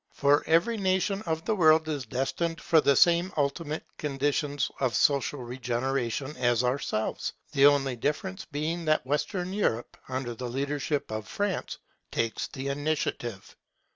For every nation of the world is destined for the same ultimate conditions of social regeneration as ourselves, the only difference being that Western Europe, under the leadership of France, takes the initiative.